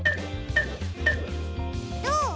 どう？